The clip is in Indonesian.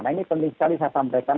nah ini penting sekali saya sampaikan